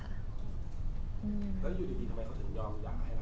แล้วอยู่ดีทำไมเขาถึงยอม